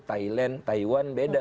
thailand taiwan beda